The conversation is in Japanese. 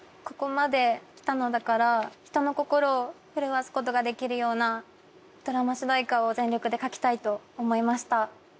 ここまできたのだから人の心を震わすことができるようなドラマ主題歌を全力で書きたいと思いました。